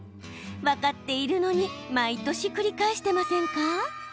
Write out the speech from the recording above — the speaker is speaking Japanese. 分かっているのに毎年、繰り返してませんか？